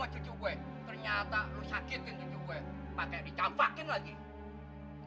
pakai dicampakin lagi